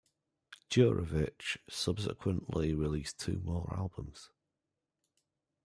Juravich subsequently released two more albums.